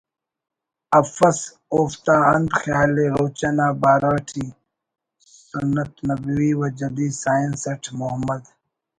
افس اوفتا انت خیالءِ روچہ نا بارو اٹی ”سنت نبوی و جدید سائنس“ اٹ محمد